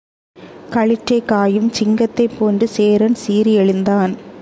களிற்றைக் காயும் சிங்கத்தைப் போன்று சேரன் சீறி எழுந்தான்.